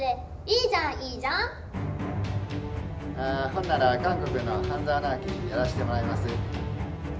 ほんなら韓国の半沢直樹やらせてもらいます。